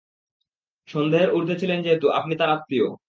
সন্দেহের উর্দ্ধে ছিলেন যেহেতু আপনি তার আত্মীয়!